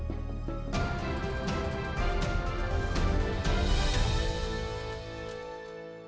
jadi kita bisa melihat bahwa mereka juga bisa berjalan dengan lebih cepat